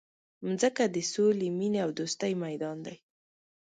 مځکه د سولي، مینې او دوستۍ میدان دی.